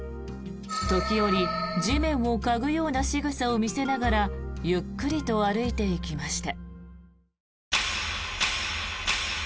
時折、地面を嗅ぐようなしぐさを見せながらゆっくりと歩いていきました。